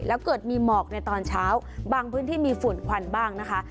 แล้วเกิดมีหมอกในตอนเช้าบางพื้นที่มีฝุ่นควันบ้างนะคะ